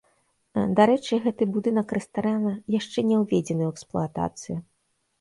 Дарэчы, гэты будынак рэстарана яшчэ не ўведзены ў эксплуатацыю.